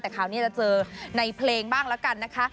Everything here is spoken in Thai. แต่คราวนี้จะเจอในเพลงบ้างแล้วกันนะคะ